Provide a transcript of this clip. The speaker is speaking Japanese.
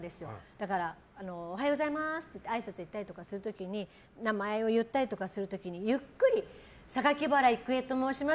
だから、おはようございますってあいさつに行ったりする時に名前を言ったりとかする時にゆっくり、榊原郁恵と申します